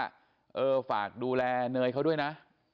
เออฝากดูแลเนยเขาด้วยนะ